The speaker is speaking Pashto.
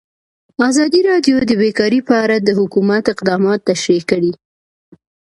ازادي راډیو د بیکاري په اړه د حکومت اقدامات تشریح کړي.